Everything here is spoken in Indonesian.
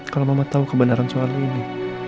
kalau mama tahu kebenaran soal ini